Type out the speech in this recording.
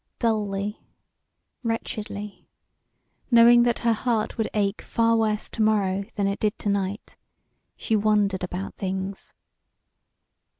Dully, wretchedly knowing that her heart would ache far worse to morrow than it did to night she wondered about things.